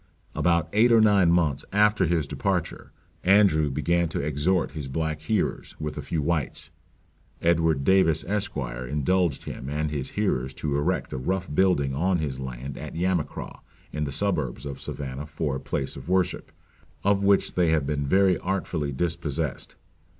About eight or nine months after his departure, Andrew began to exhort his black hearers, with a few whites. Edward Davis, Esq.; indulged him and his hearers to erect a rough building on his land at Yamacraw, in the suburbs of Savannah for a place of worship, of which they have been very artfully dispossessed.